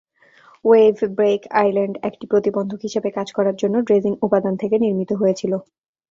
Wave break island একটি প্রতিবন্ধক হিসাবে কাজ করার জন্য ড্রেজিং উপাদান থেকে নির্মিত হয়েছিল।